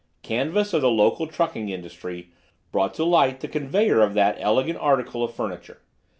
Canvass of the local trucking industry brought to light the conveyor of that elegant article of furniture.